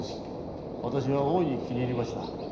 わたしは大いに気に入りました。